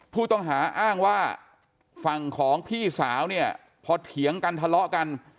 ผู้ต้องหาอ้างว่าฝั่งของพี่สาวเนี่ยพอเถียงกันทะเลาะกัน